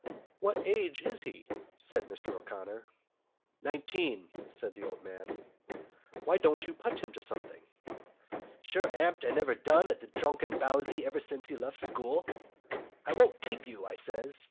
"What age is he?" said Mr O'Connor. "Nineteen," said the old man. "Why don't you put him to something?" "Sure, amn't I never done at the drunken bowsy ever since he left school? 'I won't keep you,' I says.